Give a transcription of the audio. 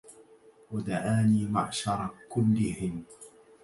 ودعاني معشر كلهم